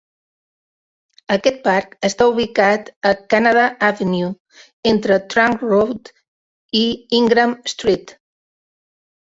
Aquest parc està ubicat a Canada Avenue, entre Trunk Road i Ingram Street.